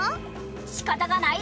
しかたがない。